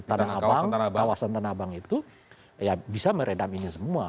tanah abang kawasan tanah abang itu ya bisa meredam ini semua